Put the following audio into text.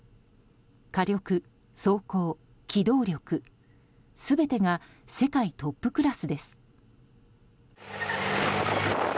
火力、装甲、機動力全てが世界トップクラスです。